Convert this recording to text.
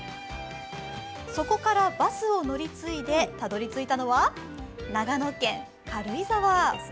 そこからバスを乗り継いでたどり着いたのは長野県軽井沢。